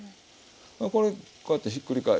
これこうやってひっくり返して。